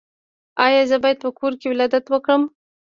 ایا زه باید په کور ولادت وکړم؟